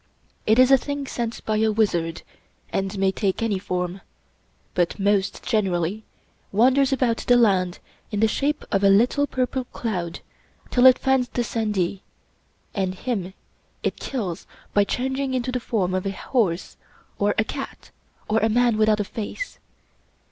It is a thing sent by a wizard, and may take any form, but most generally wanders about the land in the shape of a little purple cloud till it finds the sendee, and him it kills by changing into the form of a horse, or a cat, or a man without a face.